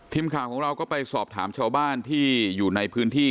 ทีมข่าวของเราก็ไปสอบถามชาวบ้านที่อยู่ในพื้นที่